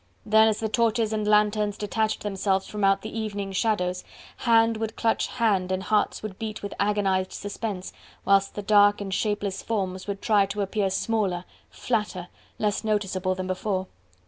Then as the torches and lanthorns detached themselves from out the evening shadows, hand would clutch hand and hearts would beat with agonized suspense, whilst the dark and shapeless forms would try to appear smaller, flatter, less noticeable than before.